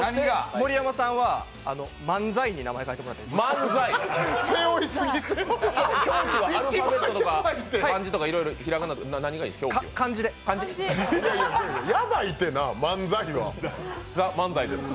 盛山さんは「漫才」に名前変えてもらっていいですか？